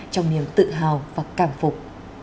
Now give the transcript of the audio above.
trong niềm tự hào và càng phục